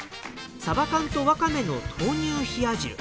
さば缶とわかめの豆乳冷や汁。